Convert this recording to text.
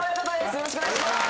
よろしくお願いします